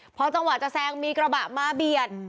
พอจังหวะจะแซงมีกระบะมาเบียด